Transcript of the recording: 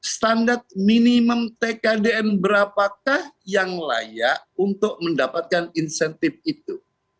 standar minimum tkdm berapakah yang layak untuk mendapatkan insentif itu